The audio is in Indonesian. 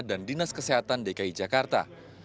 dan dinas kesehatan dki jakarta